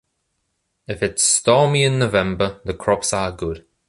If it’s stormy in November, the crops are good.